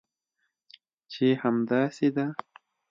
چې همداسې ده؟